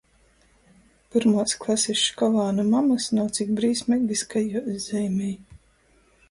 Pyrmuos klasis školānu mamys nav cik brīsmeigys, kai juos zeimej...